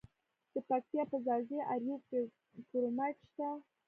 د پکتیا په ځاځي اریوب کې کرومایټ شته.